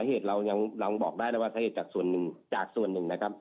เหตุเรายังลองบอกได้แล้วว่าสาเหตุจากส่วนหนึ่งจากส่วนหนึ่งนะครับ